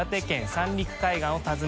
三陸海岸を訪ね